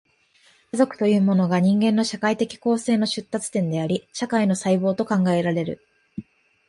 家族というものが、人間の社会的構成の出立点であり、社会の細胞と考えられる。